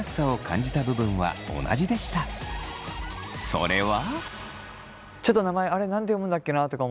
それは。